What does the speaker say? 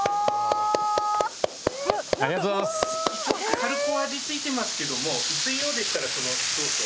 軽くお味付いてますけども薄いようでしたらそのソースを。